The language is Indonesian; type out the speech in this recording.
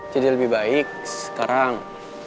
jadi lebih baik sekarang